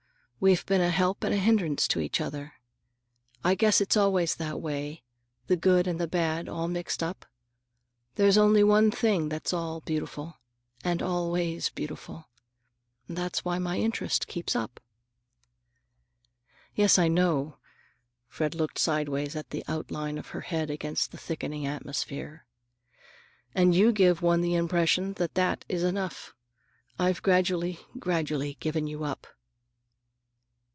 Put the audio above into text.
We've been a help and a hindrance to each other. I guess it's always that way, the good and the bad all mixed up. There's only one thing that's all beautiful—and always beautiful! That's why my interest keeps up." "Yes, I know." Fred looked sidewise at the outline of her head against the thickening atmosphere. "And you give one the impression that that is enough. I've gradually, gradually given you up."